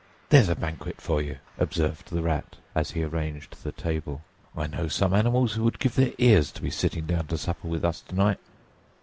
"There's a banquet for you!" observed the Rat, as he arranged the table. "I know some animals who would give their ears to be sitting down to supper with us to night!"